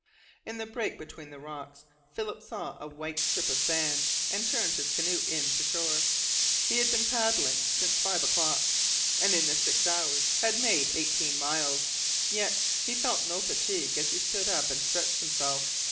In a break between the rocks Philip saw a white strip of sand, and turned his canoe in to shore. He had been paddling since five o'clock, and in the six hours had made eighteen miles. Yet he felt no fatigue as he stood up and stretched himself.